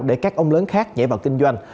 để các ông lớn khác nhảy vào kinh doanh